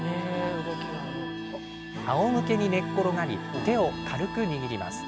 あおむけに寝っ転がり手を軽く握ります。